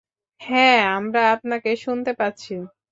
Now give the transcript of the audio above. হ্যাঁ আমরা আপনাকে শুনতে পাচ্ছি।